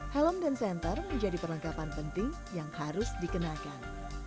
helom dan senter menjadi perlengkapan penting yang harus dikenakan